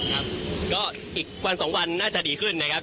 ครับก็อีกวันสองวันน่าจะดีขึ้นนะครับ